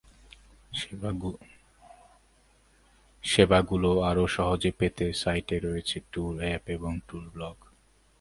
সেবাগুলো আরও সহজে পেতে সাইটে রয়েছে ট্যুর অ্যাপ এবং ট্যুর ব্লগ।